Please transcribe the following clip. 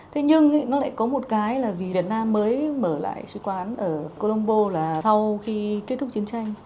thế nhưng nó lại có một cái là vì việt nam mới mở lại sứ quán ở colombo là sau khi kết thúc chiến tranh